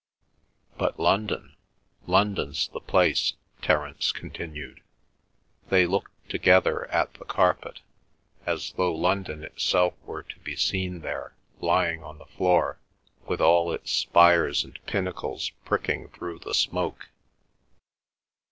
"But London, London's the place," Terence continued. They looked together at the carpet, as though London itself were to be seen there lying on the floor, with all its spires and pinnacles pricking through the smoke.